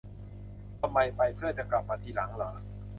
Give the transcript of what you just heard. ทำไม ไป เพื่อจะกลับมาทีหลังเหรอ